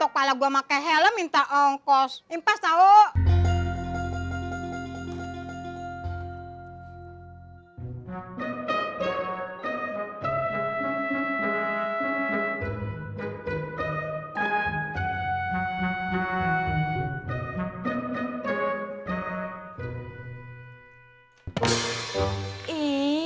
oke yang sexi mati